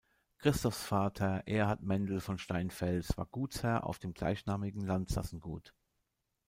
Christophs Vater Erhard Mendel von Steinfels war Gutsherr auf dem gleichnamigen Landsassengut.